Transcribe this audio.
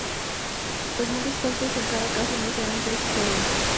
Los montos exactos en cada caso no se han precisado aún.